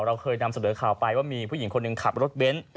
เราเคยนำเสนอข่าวไปว่ามีผู้หญิงคนหนึ่งขับรถเบนท์